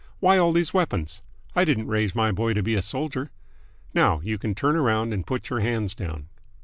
"Why all these weapons? I didn't raise my boy to be a soldier! Now you can turn around and put your hands down."